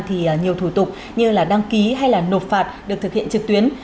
thì nhiều thủ tục như là đăng ký hay là nộp phạt được thực hiện trực tuyến